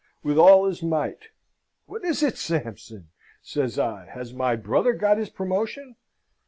with all his might. "What is it, Sampson?" says I. "Has my brother got his promotion?"